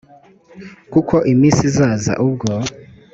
kuko iminsi izaza ubwo